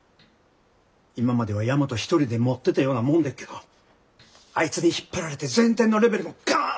今までは大和一人でもってたようなもんでっけどあいつに引っ張られて全体のレベルもガン上がりました。